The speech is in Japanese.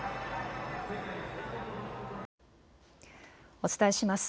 お伝えします。